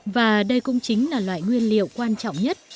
và đây cũng chính là loại nguyên liệu quan trọng nhất